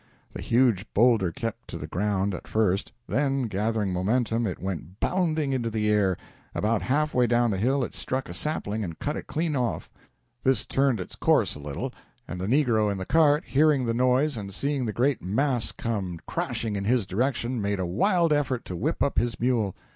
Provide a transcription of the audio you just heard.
The huge boulder kept to the ground at first, then, gathering momentum, it went bounding into the air. About half way down the hill it struck a sapling and cut it clean off. This turned its course a little, and the negro in the cart, hearing the noise and seeing the great mass come crashing in his direction, made a wild effort to whip up his mule.